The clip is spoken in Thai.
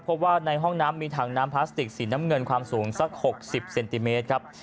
พบว่าในห้องน้ำมีถังน้ำพลาสติกสีน้ำเงินความสูงสัก๖๐เซนติเมตรครับ